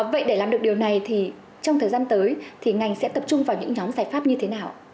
vậy để làm được điều này thì trong thời gian tới thì ngành sẽ tập trung vào những nhóm giải pháp như thế nào